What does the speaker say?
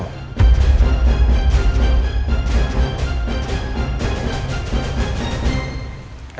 gue gak mungkin tau kan